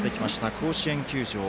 甲子園球場。